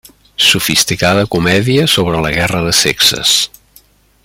Sofisticada comèdia sobre la guerra de sexes.